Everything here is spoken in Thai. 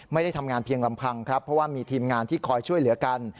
ไม่ได้ทำงานเพียงลำพังครับเพราะว่ามีทีมงานที่คอยช่วยเหลือกัน